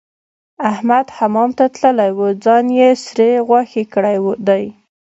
احمد حمام ته تللی وو؛ ځان يې سرې غوښې کړی دی.